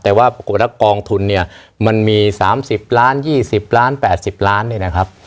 แต่ว่าปรากฏว่ากองทุนเนี่ยมันมี๓๐ล้าน๒๐ล้าน๘๐ล้านเนี่ยนะครับ